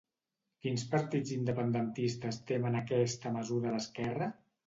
Quins partits independentistes temen aquesta mesura d'Esquerra?